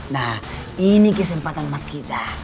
nah ini kesempatan mas kita